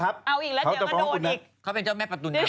เขาเป็นเจ้าแม่ปะตุนไหม